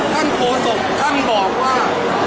ท่านโอสุขท่ามบอกว่า